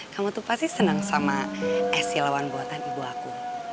kamu tuh pasti senang sama es silawan buatan ibu aku